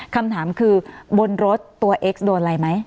คำถามคือบนรถตัวเอ็กซ์โดนอะไรไหม